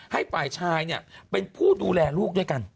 ให้ฝ่ายชายเป็นผู้ดูแลลูกด้วยกัน